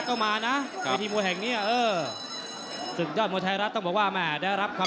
อย่าเคลื่อนไปนะครับ